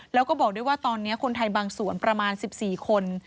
แล้วก็บอกด้วยว่าตอนนี้คนไทยบางส่วนประมาณ๑๔คน